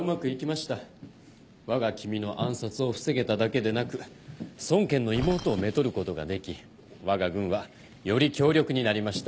わが君の暗殺を防げただけでなく孫権の妹をめとることができわが軍はより強力になりました。